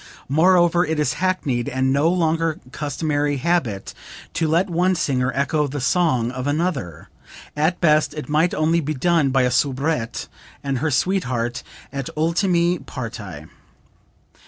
Moreover it is hackneyed and no longer customary habit to let one singer echo the song of another. At best it might only be done by a soubrette and her sweetheart at ultime parti."